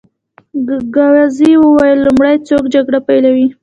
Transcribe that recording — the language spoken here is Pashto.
ګاووزي وویل: لومړی څوک جګړه پېلوي؟